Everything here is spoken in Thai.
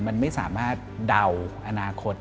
มันไม่สามารถเดาอนาคต